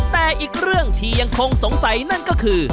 แต่อีกเรื่องที่ยังคงสงสัยนั่นก็คือ